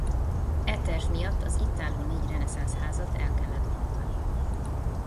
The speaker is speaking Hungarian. E terv miatt az itt álló négy reneszánsz házat el kellett bontani.